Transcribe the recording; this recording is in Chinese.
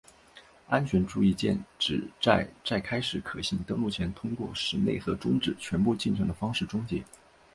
安全注意键旨在在开始可信登录前通过使内核终止全部进程的方式终结。